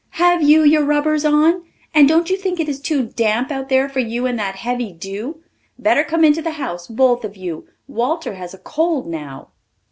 Have you your rubbers on? And don't you think it is too damp out there for you in that heavy dew? Better come into the house, both of you. Walter has a cold now."